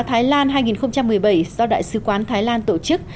thái lan hai nghìn một mươi bảy do đại sứ quán thái lan tổ chức